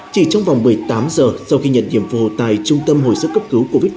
chỉ trong vòng một mươi tám giờ sau khi nhận nhiệm vụ tại trung tâm hồi sức cấp cứu covid một mươi